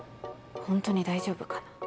ホントに大丈夫かな？